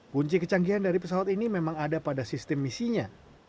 kunci kecanggihan dari pesawat ini memang ada pada sistem misinya